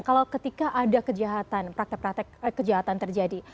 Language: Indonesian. kalau ketika ada kejahatan praktek praktek kejahatan terjadi